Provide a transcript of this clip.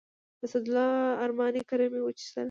د اسدالله ارماني کره مې وڅښلې.